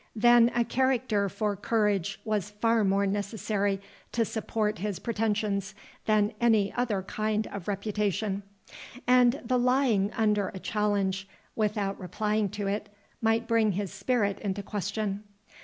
Then a character for courage was far more necessary to support his pretensions than any other kind of reputation; and the lying under a challenge, without replying to it, might bring his spirit into question.